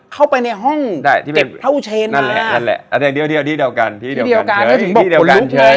เข้าไปในห้องเจ็บเภาเชนมา